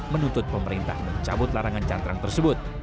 menuntut pemerintah mencabut larangan cantrang tersebut